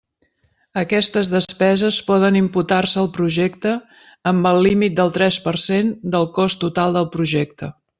Aquestes despeses poden imputar-se al projecte amb el límit del tres per cent del cost total del projecte.